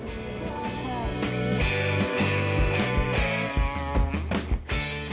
ใช่